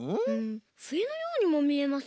ふえのようにもみえますね。